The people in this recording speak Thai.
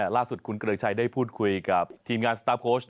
ล่าสุดคุณเกริกชัยได้พูดคุยกับทีมงานสตาร์โค้ช